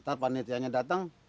ntar panitianya dateng